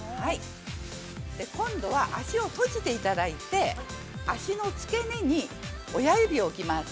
今度は足を閉じていただいて、足の付け根に親指を置きます。